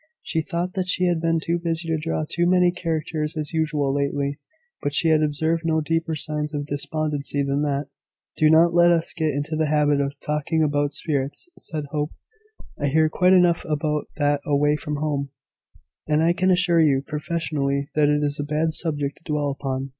She thought that he had been too busy to draw so many caricatures as usual lately; but she had observed no deeper signs of despondency than that. "Do not let us get into the habit of talking about spirits," said Hope. "I hear quite enough about that away from home; and I can assure you, professionally, that it is a bad subject to dwell upon.